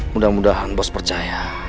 mudah mudahan bos percaya